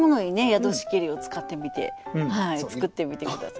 「宿しけり」を使ってみて作ってみて下さい。